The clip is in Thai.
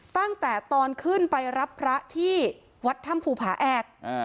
ตั้งแต่ตอนขึ้นไปรับพระที่วัดถ้ำภูผาแอก